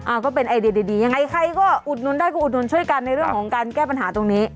ก็เป็นไอเดียดีดียังไงใครก็อุดหนุนได้ก็อุดหนุนช่วยกันในเรื่องของการแก้ปัญหาตรงนี้